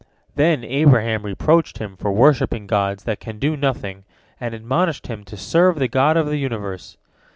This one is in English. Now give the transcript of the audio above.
Then Abraham reproached him for worshipping gods that can do nothing, and admonished him to serve the God of the universe.